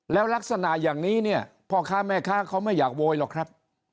แล้วลักษณะอย่างนี้เนี่ยพ่อค้าแม่ค้าเขาไม่อยากโวยหรอกครับ